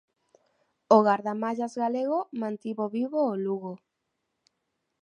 O gardamallas galego mantivo vivo o Lugo.